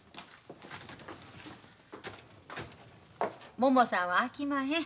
ももさんはあきまへん。